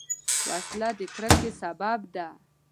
وسله د کرکې سبب ده